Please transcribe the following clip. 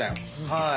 はい。